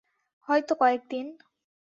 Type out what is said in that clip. হয়তো কয়েক দিন।